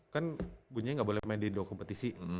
kan bunyinya gak boleh main di dua kompetisi